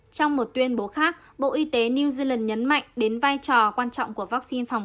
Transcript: trong một tuyên bố khác bộ y tế new zealand nhấn mạnh đến vai trò quan trọng của vaccine phòng